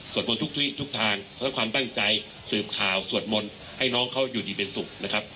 บนทุกทางและความตั้งใจสืบข่าวสวดมนต์ให้น้องเขาอยู่ดีเป็นสุขนะครับ